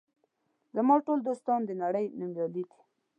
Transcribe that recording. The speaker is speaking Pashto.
زما ټول دوستان د نړۍ نومیالي دي.